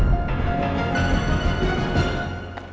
iya mau curang